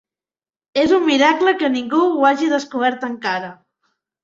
És un miracle que ningú ho hagi descobert encara.